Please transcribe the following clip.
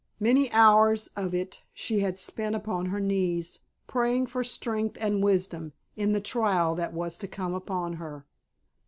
Many hours of it she had spent upon her knees, praying for strength and wisdom in the trial that was to come upon her.